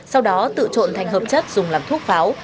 sau đó tự trộn thành hợp chất dùng làm thuốc pháo